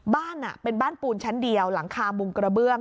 บ้านเป็นบ้านปูนชั้นเดียวหลังคามุงกระเบื้อง